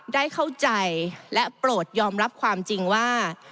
ได้เข้าใจและโปรดยอมรับความจริงว่า